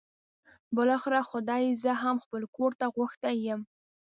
بالاخره خدای زه هم خپل کور ته غوښتی یم.